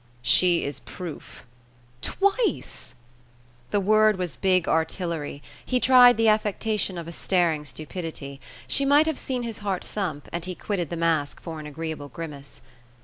"She is proof." "Twice!" The word was big artillery. He tried the affectation of a staring stupidity. She might have seen his heart thump, and he quitted the mask for an agreeable grimace.